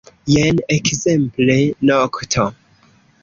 Jen, ekzemple, nokto.